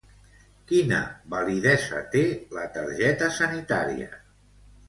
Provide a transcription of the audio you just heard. Quina validesa té la targeta sanitària?